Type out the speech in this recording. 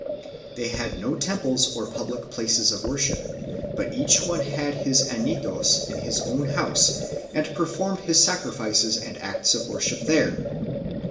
2 They had no temples or public places of worship, but each one had his anitos hi his own house and performed his sacrifices and acts of worship there.